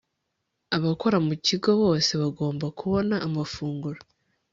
Abakora mu kigo bose bagomba kubona amafunguro